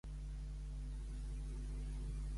De quant és la seva albedo?